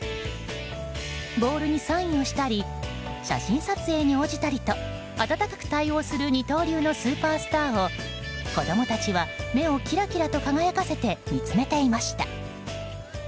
ボールにサインをしたり写真撮影に応じたりと温かく対応する二刀流のスーパースターを子供たちは、目をキラキラと輝かせて見つめていました。